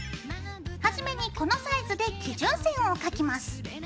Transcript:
初めにこのサイズで基準線を描きます。